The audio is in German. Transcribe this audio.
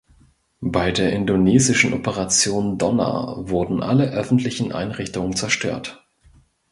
Bei der indonesischen Operation Donner wurden alle öffentlichen Einrichtungen zerstört.